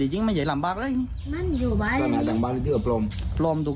ตอนนี้ก็เพิ่งที่จะสูญเสียคุณย่าไปไม่นาน